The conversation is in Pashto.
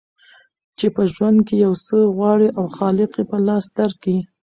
چي په ژوند کي یو څه غواړې او خالق یې په لاس درکي